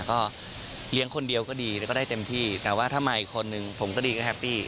ก็เลี้ยงคนเดียวก็ดีแล้วก็ได้เต็มที่แต่ว่าถ้ามาอีกคนนึงผมก็ดีก็แฮปปี้